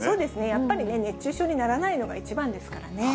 やっぱりね、熱中症にならないのが一番ですからね。